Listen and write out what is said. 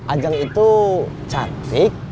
ajeng itu cantik